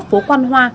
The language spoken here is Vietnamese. phố quan hoa